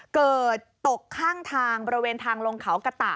เกิดตกข้างทางบริเวณทางลงเขากระตะ